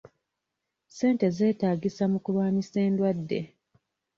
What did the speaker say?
Ssente zeetaagisa mu kulwanyisa endwadde.